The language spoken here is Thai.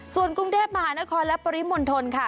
ส่วนกรุงเทพมหานครและปริมณฑลค่ะ